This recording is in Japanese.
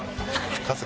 春日